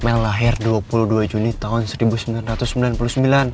yang lahir dua puluh dua juni tahun seribu sembilan ratus sembilan puluh sembilan